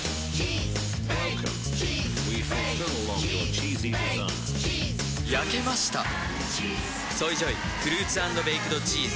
チーズ！焼けました「ＳＯＹＪＯＹフルーツ＆ベイクドチーズ」